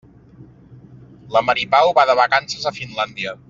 La Mari Pau va de vacances a Finlàndia.